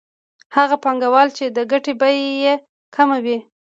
هغه پانګوال چې د ګټې بیه یې کمه وي